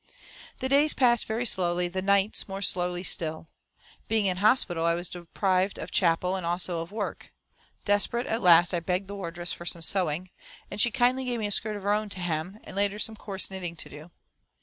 The days passed very slowly, the nights more slowly still. Being in hospital, I was deprived of chapel, and also of work. Desperate, at last I begged the wardress for some sewing, and she kindly gave me a skirt of her own to hem, and later some coarse knitting to do.